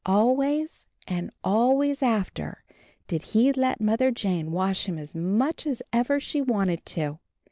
Always, and always, after did he let Mother Jane wash him as much as ever she wanted to.